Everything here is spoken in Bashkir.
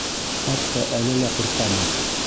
Хатта әле лә ҡурҡабыҙ.